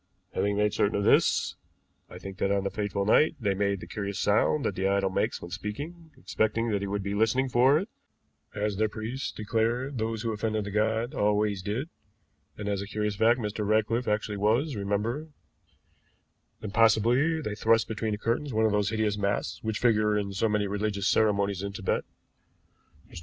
Having made certain of this, I think that on the fatal night they made the curious sound that the idol makes when speaking, expecting that he would be listening for it, as their priests declared those who offended the god always did, and as a curious fact Mr. Ratcliffe actually was, remember; then possibly they thrust between the curtains one of those hideous masks which figure in so many religious ceremonies in Tibet. Mr.